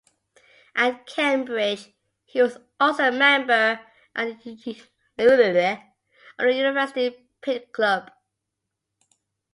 At Cambridge, he was also a member of the University Pitt Club.